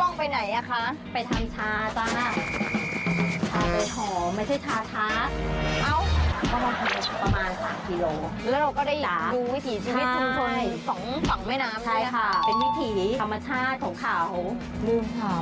นั่งเผินไงพี่อ้วนก็มองซ้ายมองขวาคุยกับพี่อ้วนเผินค่ะ